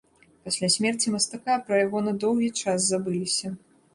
Пасля смерці мастака пра яго на доўгі час забыліся.